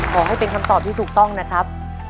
ขอให้เป็นคำตอบที่ถูกต้องนะครับ